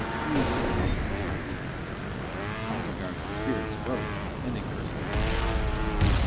"Leave them," Rodriguez said. And la Garda's spirits rose and they cursed again.